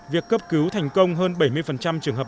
việc cấp cứu thành công hơn bảy mươi trường hợp